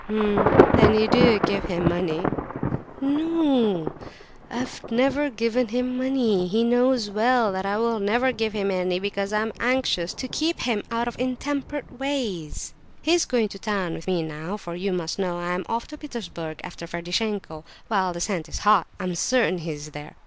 "H'm, then you do give him money?" "N no, I have never given him money, and he knows well that I will never give him any; because I am anxious to keep him out of intemperate ways. He is going to town with me now; for you must know I am off to Petersburg after Ferdishenko, while the scent is hot; I'm certain he is there.